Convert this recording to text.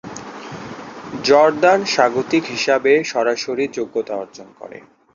Jordan স্বাগতিক হিসাবে সরাসরি যোগ্যতা অর্জন করে।